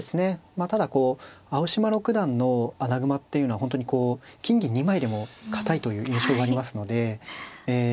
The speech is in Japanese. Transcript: まあただこう青嶋六段の穴熊っていうのは本当にこう金銀２枚でも堅いという印象がありますのでえ